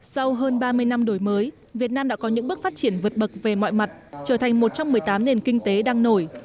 sau hơn ba mươi năm đổi mới việt nam đã có những bước phát triển vượt bậc về mọi mặt trở thành một trong một mươi tám nền kinh tế đang nổi